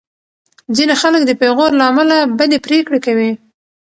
ځینې خلک د پېغور له امله بدې پرېکړې کوي.